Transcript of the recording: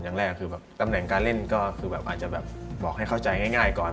อย่างแรกคือตำแหน่งการเล่นก็อาจจะบอกให้เข้าใจง่ายก่อน